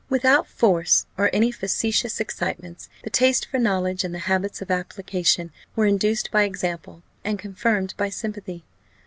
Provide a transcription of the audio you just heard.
Without force or any factitious excitements, the taste for knowledge, and the habits of application, were induced by example, and confirmed by sympathy.